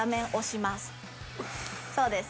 そうです。